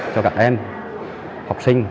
cho các em học sinh